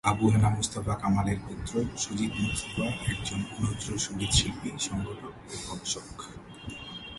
আবু হেনা মোস্তফা কামালের পুত্র সুজিত মোস্তফা একজন নজরুল সংগীত শিল্পী, সংগঠক ও গবেষক।